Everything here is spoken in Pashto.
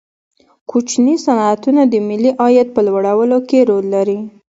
کوچني صنعتونه د ملي عاید په لوړولو کې رول لري.